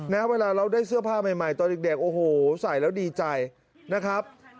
นะเวลาเราได้เสื้อผ้าใหม่ตอนเด็กโอ้โหใส่แล้วดีใจนะครับ